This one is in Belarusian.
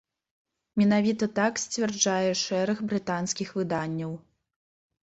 Менавіта так сцвярджае шэраг брытанскіх выданняў.